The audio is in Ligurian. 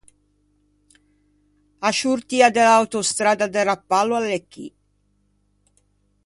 A sciortia de l'autostradda de Rapallo a l'é chì.